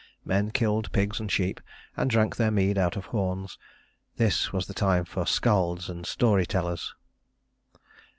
Men killed pigs and sheep, and drank their mead out of horns. This was the time for skalds and story tellers.